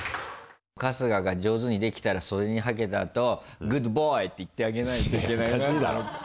春日が上手にできたら袖にはけたあと「グッドボーイ」って言ってあげないといけないなと。